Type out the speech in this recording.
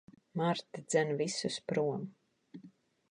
Marta dzen visus prom.